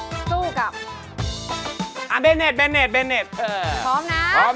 หนึ่งหมื่นบาทแล้ว